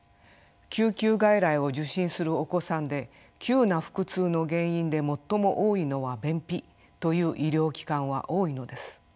救急外来を受診するお子さんで急な腹痛の原因で最も多いのは便秘という医療機関は多いのです。